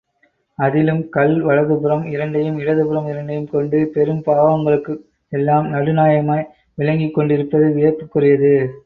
அதிலும் கள் வலதுபுறம் இரண்டையும், இடதுபுறம் இரண்டையும் கொண்டு, பெரும் பாவங்களுக்கு எல்லாம் நடுநாயகமாய் விளங்கிக் கொண்டிருப்பது வியப்புக்குரியது.